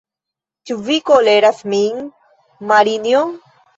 Ĉu vi koleras min, Marinjo?